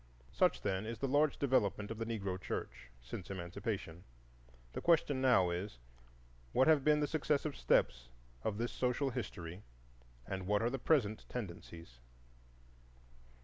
Such, then, is the large development of the Negro church since Emancipation. The question now is, What have been the successive steps of this social history and what are the present tendencies?